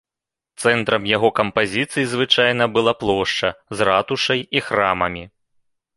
Цэнтрам яго кампазіцыі звычайна была плошча з ратушай і храмамі.